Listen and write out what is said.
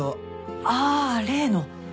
ああ例の。